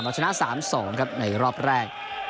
ชนะ๓๒ครับในรอบแรก